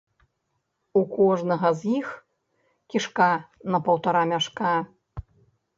У кожнага з іх кішка на паўтара мяшка.